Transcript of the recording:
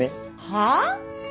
はあ？